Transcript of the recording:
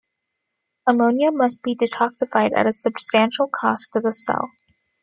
Ammonia must be detoxified at a substantial cost to the cell.